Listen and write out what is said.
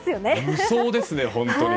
理想ですね、本当に。